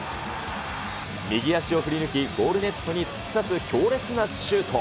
右足を振り抜き、ゴールネットに突き刺す強烈なシュート。